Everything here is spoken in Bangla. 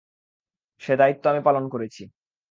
সে দায়িত্ব আমি পালন করেছি।